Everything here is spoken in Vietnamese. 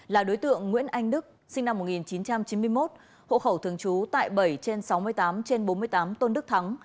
là đối tượng nguyễn anh đức sinh năm một nghìn chín trăm chín mươi một hộ khẩu thường trú tại bảy trên sáu mươi tám trên bốn mươi tám tôn đức thắng